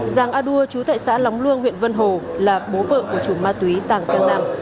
giàng a đua chú tại xã lóng luông huyện vân hồ là bố vợ của chủ ma túy tàng trang năng